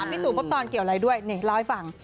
พี่ตู่พบตอนเกี่ยวอะไรด้วยนี่เล่าให้ฟัง